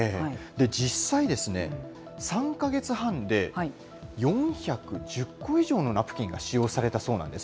実際、３か月半で、４１０個以上のナプキンが使用されたそうなんです。